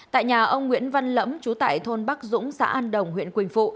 tại nhà ông nguyễn văn lẫm chú tại thôn bắc dũng xã an đồng huyện quỳnh phụ